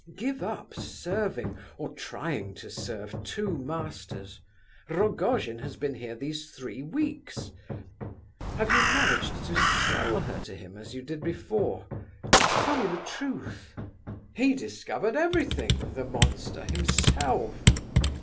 Give up serving, or trying to serve, two masters. Rogojin has been here these three weeks. Have you managed to sell her to him as you did before? Tell me the truth." "He discovered everything, the monster... himself......"